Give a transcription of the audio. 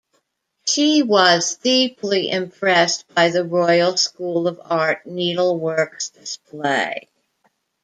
She was deeply impressed by the Royal School of Art Needlework's display.